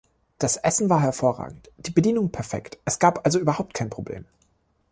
Das Essen war hervorragend, die Bedienung perfekt, es gab also überhaupt kein Problem.